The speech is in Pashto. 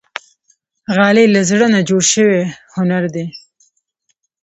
غالۍ له زړه نه جوړ شوی هنر دی.